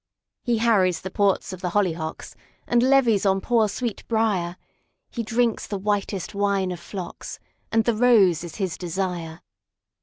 He harries the ports of the Hollyhocks, And levies on poor Sweetbrier; He drinks the whitest wine of Phlox, And the Rose is his desire.